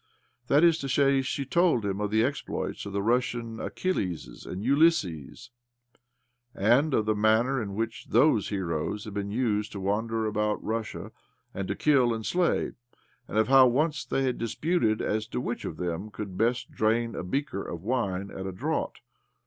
That is to say, she told him of the exploits of the Russian Achilleses and Ulysseses, and of the manner in which those heroes had been used to wander about Russia, and to kill and slay ; and of how once they had disputed as to which of them could best drain a beaker of wine at a draught.